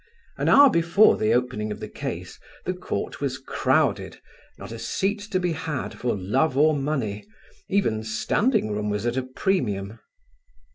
An hour before the opening of the case the Court was crowded, not a seat to be had for love or money: even standing room was at a premium.